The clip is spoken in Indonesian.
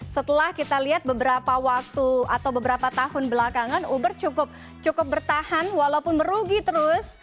setelah kita lihat beberapa waktu atau beberapa tahun belakangan uber cukup bertahan walaupun merugi terus